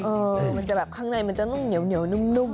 และมันจะแบบข้างในมันจะเงียวและนุ่ม